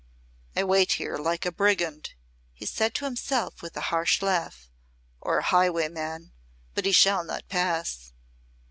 "I wait here like a brigand," he said to himself with a harsh laugh, "or a highwayman but he shall not pass."